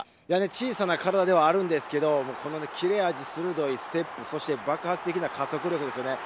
小さな体ではあるんですけれど、この切れ味鋭いステップ、そして爆発的な加速力ですね。